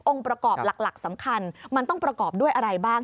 ประกอบหลักสำคัญมันต้องประกอบด้วยอะไรบ้าง